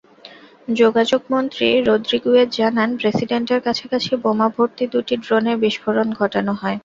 যোগাযোগমন্ত্রী Rodriguez জানান, প্রেসিডেন্টের কাছাকাছি বোমাভর্তি দুটি ড্রোনের বিস্ফোরণ ঘটানো হয়।